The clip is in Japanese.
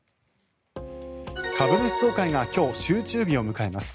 株主総会が今日、集中日を迎えます。